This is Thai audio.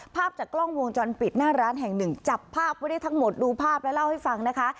ภาพจากกล้องวงจรปิดหน้าร้านแห่งหนึ่งจับภาพไว้ได้ทั้งหมดดูภาพและเล่าให้ฟังนะคะ